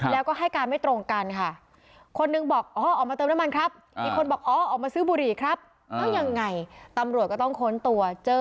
แล้วก็ให้การไม่ตรงกันค่ะ